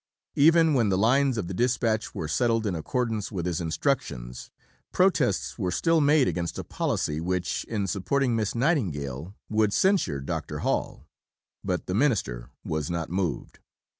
Even when the lines of the dispatch were settled in accordance with his instructions, protests were still made against a policy which, in supporting Miss Nightingale, would censure Dr. Hall, but the Minister was not moved.